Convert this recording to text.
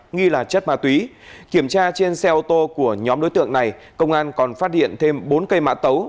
nghi là chất ma túy kiểm tra trên xe ô tô của nhóm đối tượng này công an còn phát hiện thêm bốn cây mã tấu